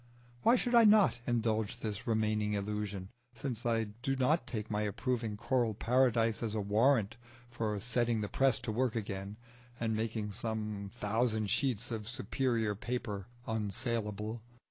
Why should I not indulge this remaining illusion, since I do not take my approving choral paradise as a warrant for setting the press to work again and making some thousand sheets of superior paper unsaleable?